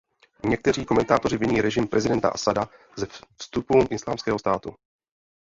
Někteří komentátoři viní režim prezidenta Asada ze vzestupu Islámského státu.